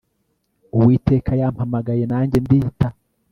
uwiteka yampamagaye nanjye ndita